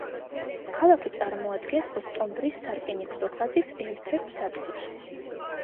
ქალაქი წარმოადგენს ოქტომბრის სარკინიგზო ხაზის ერთ-ერთ სადგურს.